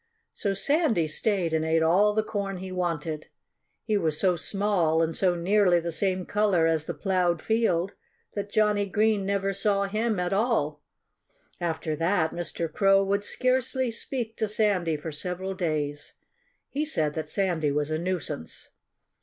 So Sandy stayed and ate all the corn he wanted. He was so small and so nearly the same color as the ploughed field that Johnnie Green never saw him at all. After that Mr. Crow would scarcely speak to Sandy for several days. He said that Sandy was a nuisance.